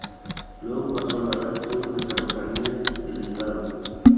Luego pasó a la Red Sur de Ferrocarriles del Estado.